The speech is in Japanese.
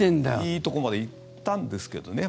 いいとこまで行ったんですけどね。